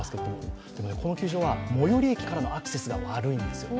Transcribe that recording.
ただ、この球場は最寄り駅からのアクセスが悪いんですよ。